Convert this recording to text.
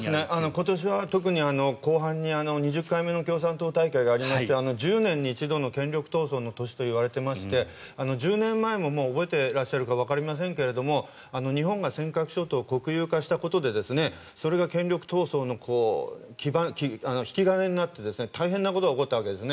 今年は特に後半に２０回目の共産党大会がありまして１０年に一度の権力闘争の年といわれていまして１０年前も、覚えてらっしゃるかわかりませんが日本が尖閣諸島を国有化したことでそれが権力闘争の引き金になって大変なことが起こったわけです。